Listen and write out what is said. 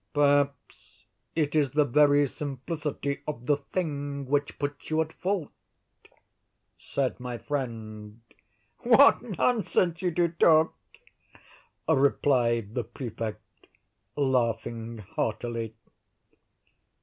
"Perhaps it is the very simplicity of the thing which puts you at fault," said my friend. "What nonsense you do talk!" replied the Prefect, laughing heartily.